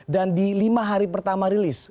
dan di lima hari pertama rilis